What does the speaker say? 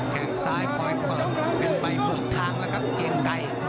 แข่งทรายคอยเปิดกันไปบุกทางแล้วครับเอียงไก่